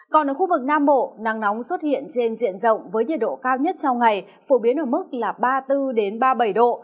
còn ở khu vực nam bộ nắng nóng xuất hiện trên diện rộng với nhiệt độ cao nhất trong ngày phổ biến ở mức ba mươi bốn ba mươi bảy độ